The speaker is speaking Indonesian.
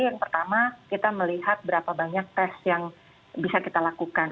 yang pertama kita melihat berapa banyak tes yang bisa kita lakukan